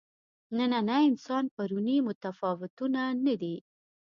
نننی انسان پروني متفاوته نه دي.